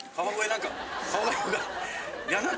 何か顔が。